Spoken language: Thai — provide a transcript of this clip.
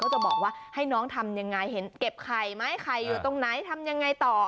จะบอกว่าให้น้องทำยังไงเห็นเก็บไข่ไหมไข่อยู่ตรงไหนทำยังไงต่อ